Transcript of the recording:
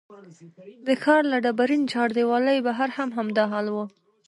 د ښار له ډبرین چاردیوالۍ بهر هم همدا حال و.